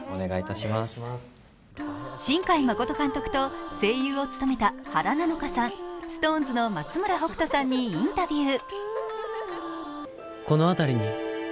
新海誠監督と声優を務めた原菜乃華さん、ＳｉｘＴＯＮＥＳの松村北斗さんにインタビュー。